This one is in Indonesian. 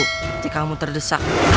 ketika kamu terdesak